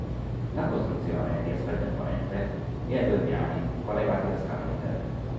La costruzione, di aspetto imponente, è a due piani, collegati da scale interne.